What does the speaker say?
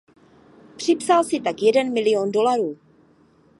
Připsal si tak jeden milion dolarů.